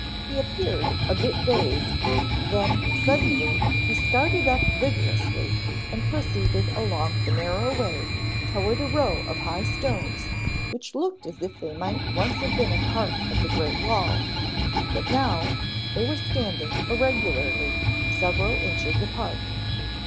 He appeared a bit dazed, then suddenly he started up vigorously and proceeded along the narrow way toward a row of high stones which looked as if they might once have been a part of the great wall, but now they were standing irregularly several inches apart.